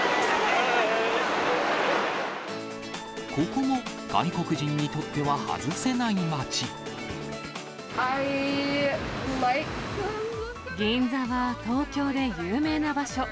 ここも外国人にとっては外せない銀座は東京で有名な場所。